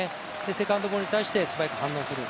セカンドボールに対して素早く反応する。